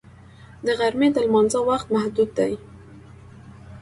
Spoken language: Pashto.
د غرمې د لمانځه وخت محدود دی